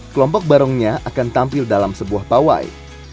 kelompok barongnya akan tampil dalam sebuah pawai